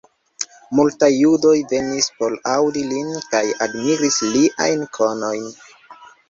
Multaj judoj venis por aŭdi lin kaj admiris liajn konojn.